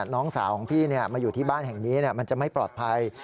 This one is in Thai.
น้องสาวของพี่มาอยู่ที่บ้านแห่งนี้มันจะไม่ปลอดภัย